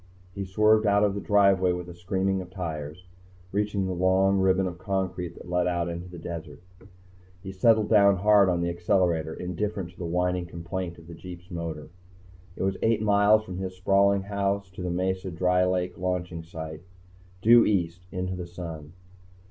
He swerved out of the driveway with a screaming of tires. Reaching the long ribbon of concrete that led out into the desert, he settled down hard on the accelerator, indifferent to the whining complaint of the jeep's motor. It was eight miles from his sprawling house to the Mesa Dry Lake launching site, due east, into the sun.